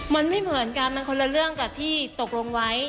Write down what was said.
มันไม่เหมือนกันมันคนละเรื่องกับที่ตกลงไว้